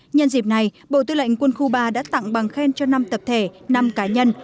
nhân dịp này bộ tư lệnh quân khu ba đã tặng bằng khen cho năm tập thể năm cá nhân